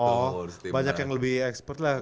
oh banyak yang lebih ekspert lah